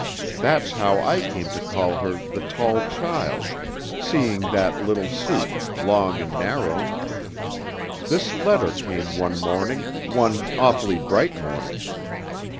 That's how I came to call her 'the tall child,' seeing that little suit, long and narrow.... This letter came one morning, one awfully bright morning.